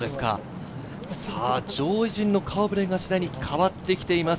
上位陣の顔ぶれが次第に変わってきています。